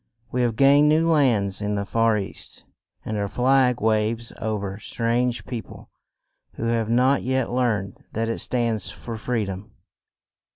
We have gained new lands in the far east, and our flag waves o ver strange peo ple who have not yet learned that it stands for free dom.